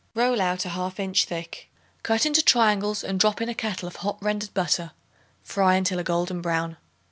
Roll out a half inch thick. Cut into triangles and drop in a kettle of hot rendered butter; fry until a golden brown.